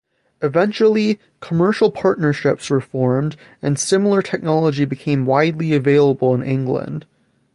Eventually, commercial partnerships were formed, and similar technology became widely available in England.